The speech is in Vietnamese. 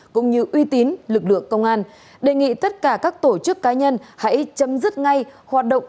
cũng như uy tín lực lượng công an đề nghị tất cả các tổ chức cá nhân hãy chấm dứt ngay hoạt động